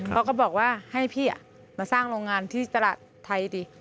เขาก็บอกว่าให้พี่มาสร้างโรงงานที่ตลาดไทยดิ